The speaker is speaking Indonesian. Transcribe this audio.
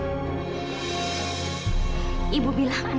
dan terima kasih saya untuk melahirkan semuanya